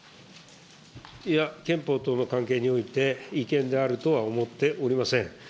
憲法等の関係において、違憲であるとは思っておりません。